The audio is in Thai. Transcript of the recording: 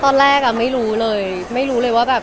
ตอนแรกอ่ะไม่รู้เลยไม่รู้เลยว่าแบบ